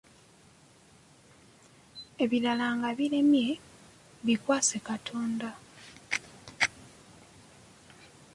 Ebirala nga biremye bikwase Katonda.